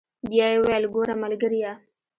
بيا يې وويل ګوره ملګريه.